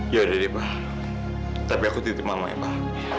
ya udah deh pak tapi aku titip mama